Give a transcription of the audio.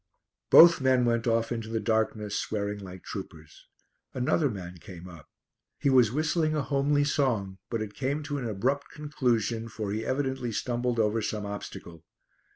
Both men went off into the darkness, swearing like troopers. Another man came up. He was whistling a homely song, but it came to an abrupt conclusion, for he evidently stumbled over some obstacle.